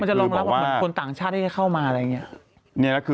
มันจะรองรับความคนต่างชาติได้เข้ามาอะไรแบบเนี่ย